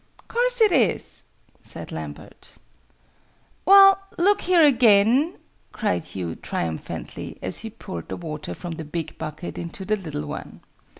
"Course it is," said Lambert. "Well, look here again!" cried Hugh, triumphantly, as he poured the water from the big bucket into the little one.